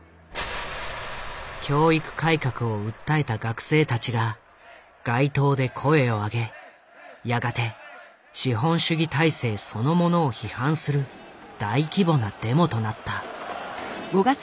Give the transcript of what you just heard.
教育改革を訴えた学生たちが街頭で声を上げやがて資本主義体制そのものを批判する大規模なデモとなった。